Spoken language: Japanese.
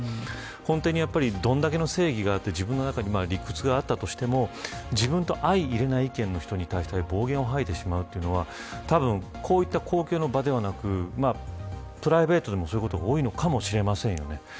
根底にどれだけの正義があって自分の中に理屈があったとしても自分と相容れない意見の人に対して暴言を吐いてしまうということはこういった公共の場ではなくプライベートでもそういうことが多いのかもしれません。